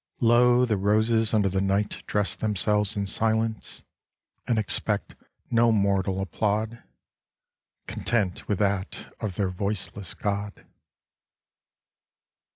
Lo ! the roses under the night dress themselves in silence, and expect no mortal applaud,^ — content witli that of their voiceless God.